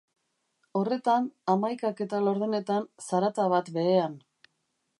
Horretan, hamaikak eta laurdenetan, zarata bat behean.